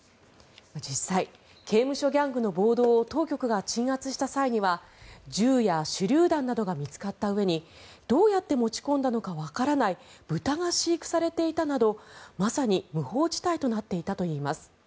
実際、刑務所ギャングの暴動を当局が鎮圧した際には銃や手りゅう弾などが見つかったうえにどうやって持ち込んだのかわからない豚が飼育されていたなどまさに無法地帯となっていたといいます。